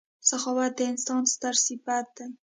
• سخاوت د انسان ستر صفت دی.